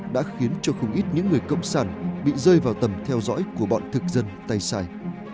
đã khiến cho không ít những người cộng sản bị rơi vào tầm theo dõi của bọn thực dân tay sai